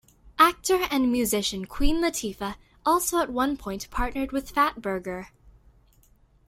Actor and musician Queen Latifah also at one point partnered with Fatburger.